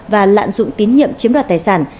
và lạn dụng tín nhiệm chiếm đoạt tài sản